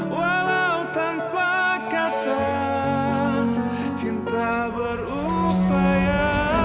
walau tanpa kata cinta berupaya